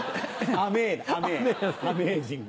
甘ぇアメージング。